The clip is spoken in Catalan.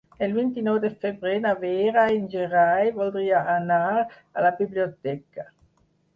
El vint-i-nou de febrer na Vera i en Gerai voldria anar a la biblioteca.